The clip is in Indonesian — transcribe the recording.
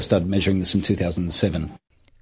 sejak kami mulai mengukur ini pada tahun dua ribu tujuh